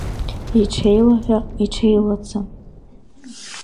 Иҽеилаҳәа-иҽеилаца…